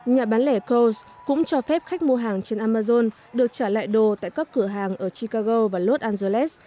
nhà bán lẻ col cũng cho phép khách mua hàng trên amazon được trả lại đồ tại các cửa hàng ở chicago và los angeles